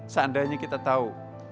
seandainya kita tahu